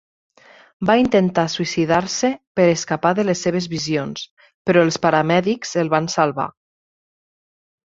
Va intentar suïcidar-se per escapar de les seves visions, però els paramèdics el van salvat.